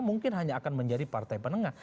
mungkin hanya akan menjadi partai penengah